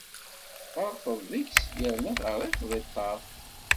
Tferṭeḍ deg-s yerna terriḍ-t di ṭṭerf.